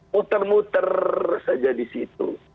muter muter saja di situ